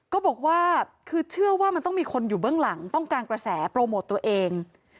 ก็บอกว่าคือเชื่อว่ามันต้องมีคนอยู่เบื้องหลังต้องการกระแสโปรโมทตัวเอง